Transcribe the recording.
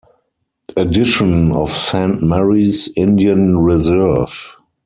Addition of Saint Mary's Indian Reserve.